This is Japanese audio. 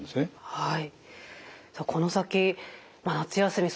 はい。